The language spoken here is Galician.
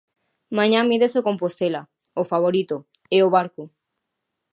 Mañá mídense o Compostela, o favorito, e o Barco.